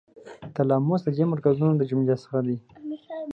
تلاموس د دې مرکزونو له جملو څخه دی.